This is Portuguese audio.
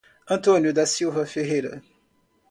Antônio da Silva Ferreira